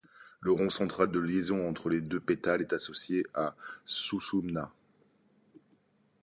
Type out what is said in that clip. Le rond central de liaison entre les deux pétales est associé à suṣumṇā.